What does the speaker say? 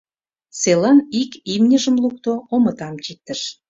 Селан ик имньыжым лукто, омытам чиктыш.